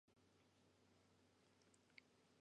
Koo jooɗi, o walaa ɓiŋngel, sey hikka doo o feni afaago.